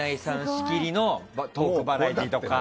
仕切りのトークバラエティーとか。